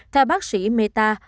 theo bác sĩ mehta